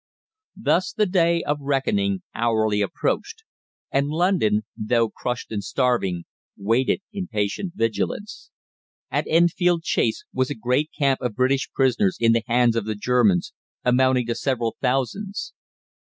Thus the Day of Reckoning hourly approached, and London, though crushed and starving, waited in patient vigilance. At Enfield Chase was a great camp of British prisoners in the hands of the Germans, amounting to several thousands.